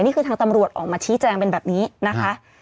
นี่คือทางตำรวจออกมาชี้แจงเป็นแบบนี้นะคะ